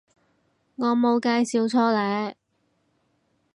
我冇介紹錯呢